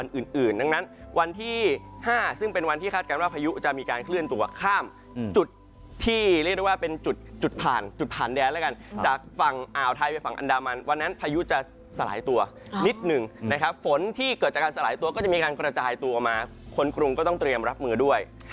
แล้วฝนที่เกิดขึ้นใส่สลายตัวก็จะมีการกระจายตัวออกมาคนกรุงก็ต้องเตรียมรับมือด้วย